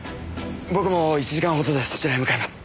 僕も１時間ほどでそちらへ向かいます。